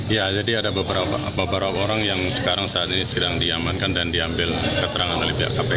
ya jadi ada beberapa orang yang sekarang saat ini sedang diamankan dan diambil keterangan oleh pihak kpk